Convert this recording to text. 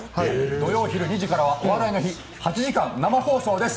土曜昼２時からは「お笑いの日」８時間生放送です。